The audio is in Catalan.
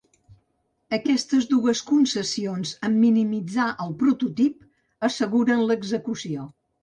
Aquestes dues concessions en minimitzar el prototip asseguren l'execució.